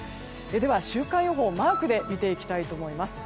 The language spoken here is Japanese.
週間予報、マークで見ていきたいと思います。